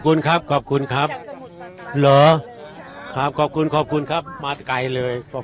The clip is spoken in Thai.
มาไกลเลยขอบคุณแล้วคำคำสาบานนี่จะเป็นประมาณไหนครับ